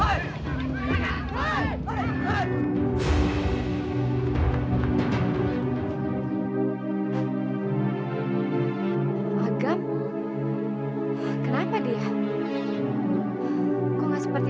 aduh mana dia belum makan lagi pak